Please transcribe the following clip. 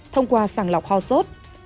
thông qua sàng lọc ho sốt